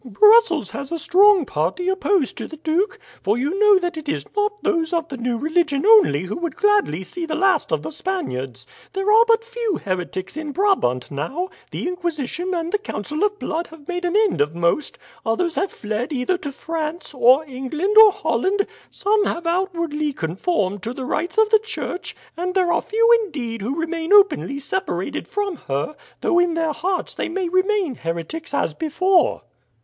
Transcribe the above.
Brussels has a strong party opposed to the duke; for you know that it is not those of the new religion only who would gladly see the last of the Spaniards. There are but few heretics in Brabant now, the Inquisition and the Council of Blood have made an end of most, others have fled either to France, or England, or Holland, some have outwardly conformed to the rites of the Church, and there are few indeed who remain openly separated from her, though in their hearts they may remain heretics as before.